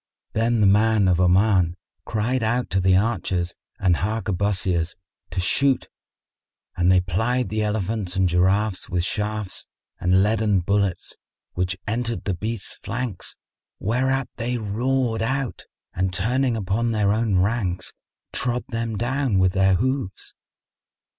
Then the man of Oman cried out to the archers and harquebusiers to shoot, and they plied the elephants and giraffes with shafts and leaden bullets, which entered the beasts' flanks, whereat they roared out and turning upon their own ranks, trod them down with their hoofs.